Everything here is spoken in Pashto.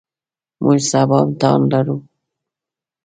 موږ سبا امتحان لرو.